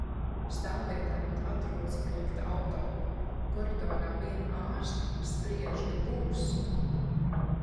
Stāvvietā pat atrodas, kur likt auto. Koridorā vieni ārsti spriež, ka būs !